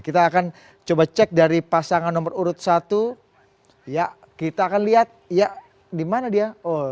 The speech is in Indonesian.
kita akan coba cek dari pasangan nomor urut satu ya kita akan lihat ya di mana dia